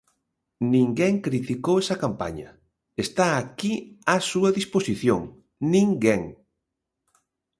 Ninguén criticou esa campaña, está aquí á súa disposición; ninguén.